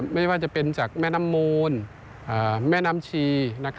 ไม่ว่าจะเป็นจากแม่น้ำมูลแม่น้ำชี